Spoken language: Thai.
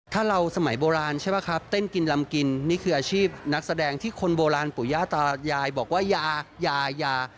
ถ้าเราสมัยโบราณใช่ป่ะครับเต้นกินลำกินนี่คืออาชีพนักแสดงที่คนโบราณปู่ย่าตายายบอกว่ายายา